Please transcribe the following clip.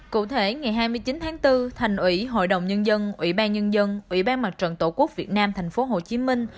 cụ thể ngày hai mươi chín tháng bốn thành ủy hội đồng nhân dân ủy ban nhân dân ủy ban mặt trận tổ quốc việt nam tp hcm